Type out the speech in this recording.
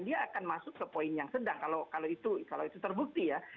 dia akan masuk ke poin yang sedang kalau itu terbukti ya